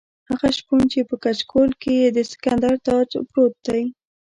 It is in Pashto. هغه شپون چې په کچکول کې یې د سکندر تاج پروت دی.